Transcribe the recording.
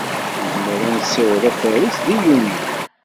Nezmer ad nessiweḍ afaris di yunyu.